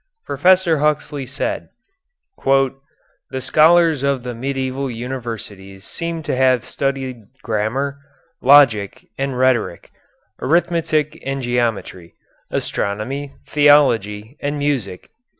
Professor Huxley said: The scholars of the medieval universities seem to have studied grammar, logic, and rhetoric; arithmetic and geometry; astronomy, theology, and music.